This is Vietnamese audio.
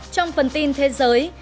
trong phần tin thế giới